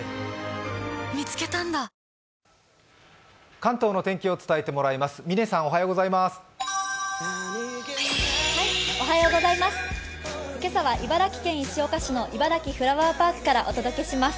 関東の天気を伝えてもらいます。